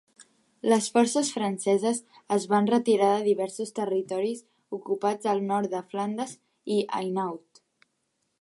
Les forces franceses es van retirar de diversos territoris ocupats al nord de Flandes i Hainaut.